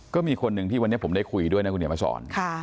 ก็มีคนนึงที่วันนี้ผมได้คุยด้วยนะ